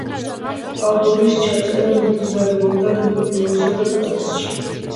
ალბომის ჩაწერა მიმდინარეობდა ნიუ-იორკსა და პარიზში.